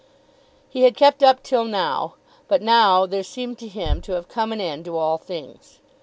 He had kept up till now. But now there seemed to him to have come an end to all things.